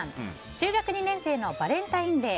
中学２年生のバレンタインデー。